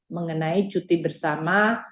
mengenai cuti bersama